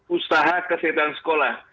usaha kesehatan sekolah